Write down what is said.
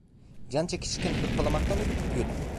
Can çekişirken hırpalamaktan ödü kopuyordu.